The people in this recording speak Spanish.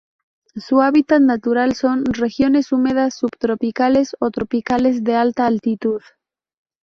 Su hábitat natural son: regiones húmedas subtropicales o tropicales de alta altitud.